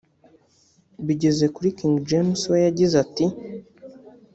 Bigeze kuri King James we yagize ati